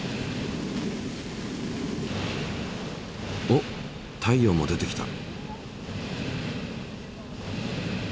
おっ太陽も出てきた！